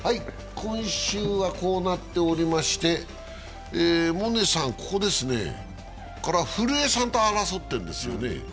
今週はこうなっておりまして、萌寧さんここですね、古江さんと争ってるんですよね。